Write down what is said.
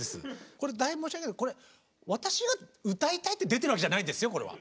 これ大変申し訳ないけど私が歌いたいって出てるわけじゃないんですよこれは。